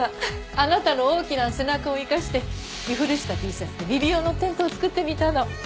あなたの大きな背中を生かして着古したＴシャツでビビ用のテントを作ってみたの。